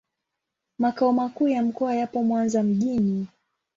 Makao makuu ya mkoa yapo Mwanza mjini.